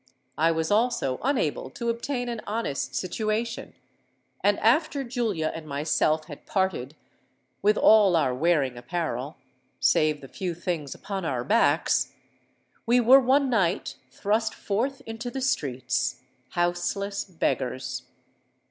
I was also unable to obtain an honest situation; and after Julia and myself had parted with all our wearing apparel, save the few things upon our backs, we were one night thrust forth into the streets—houseless beggars!